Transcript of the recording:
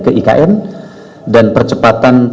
dan percepatan persiapan kementerian pembangunan dan seluruh tim